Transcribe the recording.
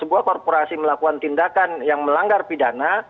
sebuah korporasi melakukan tindakan yang melanggar pidana